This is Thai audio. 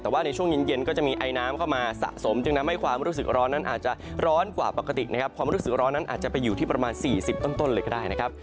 แต่ว่าในช่วงเย็นเย็นก็จะมีไอน้ำเข้ามาสะสมจึงทำให้ความรู้สึกร้อนนั้นอาจจะร้อนกว่าปกตินะครับความรู้สึกร้อนนั้นอาจจะไปอยู่ที่ประมาณ๔๐ต้นเลยก็ได้นะครับ